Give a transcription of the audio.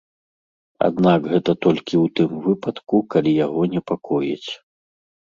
Аднак гэта толькі ў тым выпадку, калі яго непакоіць.